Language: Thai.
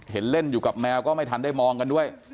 เห็นเล่นอยู่กับแมวก็ไม่ทันได้มองกันด้วย